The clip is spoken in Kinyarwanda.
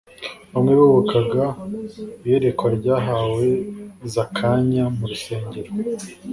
Bamwe bibukaga iyerekwa ryahawe Zakanya mu rusengero